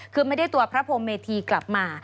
คือไม่ได้ตัวพระพรมเมธีกลับมา